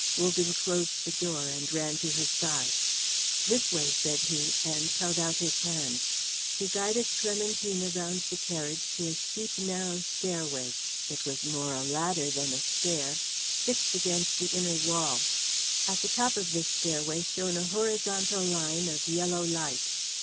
Wogan closed the door and ran to her side. "This way," said he, and held out his hand. He guided Clementina round the carriage to a steep narrow stairway it was more a ladder than a stair fixed against the inner wall. At the top of this stairway shone a horizontal line of yellow light.